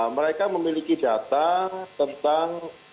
mereka memiliki data tentang